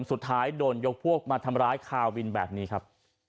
สุดท้ายโดนยกพวกมาทำร้ายคาวินแบบนี้ครับ